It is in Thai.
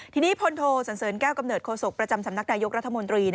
ทีนี้พลโทสันเสริญแก้วกำเนิดโศกประจำสำนักนายกรัฐมนตรี